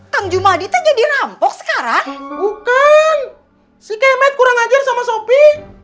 kang jumadita jadi rampok sekarang bukan si kemet kurang ajar sama sopi